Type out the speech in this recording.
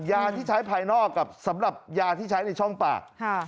ยาที่ใช้ภายนอกกับสำหรับยาที่ใช้ในช่องปาก